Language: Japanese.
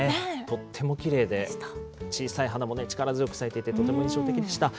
とってもきれいで、小さい花もね、力強く咲いていて、とても印象的でした。